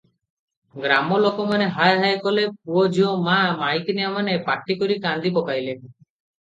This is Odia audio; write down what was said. ଗ୍ରାମଲୋକମାନେ ହାୟ ହାୟ କଲେ, ପୁଅ ଝିଅ ମା’ ମାଇକିନିଆମାନେ ପାଟିକରି କାନ୍ଦି ପକାଇଲେ।